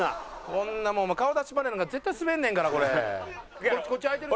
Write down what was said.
こんなもん顔出しパネルなんか絶対スベんねんからこれ。